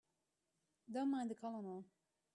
Don't mind the Colonel.